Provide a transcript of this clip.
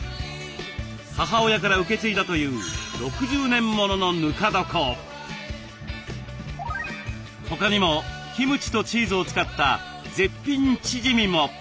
母親から受け継いだという他にもキムチとチーズを使った絶品チヂミも。